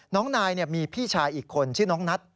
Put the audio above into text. น้องนายมีพี่ชายอีกคนชื่อน้องนัท